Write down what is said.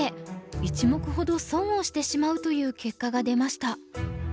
１目ほど損をしてしまうという結果が出ました。